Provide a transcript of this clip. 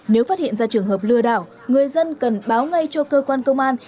nếu phát hiện ra trường hợp lừa đảo người dân cần báo ngay cho cơ quan công an